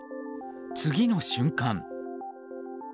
次の瞬間。